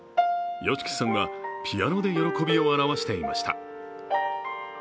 ＹＯＳＨＩＫＩさんはピアノで喜びを表していました。